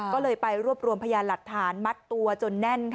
ก็เลยไปรวบรวมพยานหลักฐานมัดตัวจนแน่นค่ะ